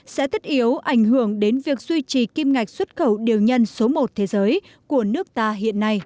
sẽ tất yếu ảnh hưởng đến việc duy trì kim ngạch xuất khẩu điều nhân số một thế giới của nước ta hiện nay